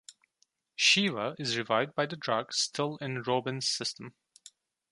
Shiva is revived by the drug still in Robin's system.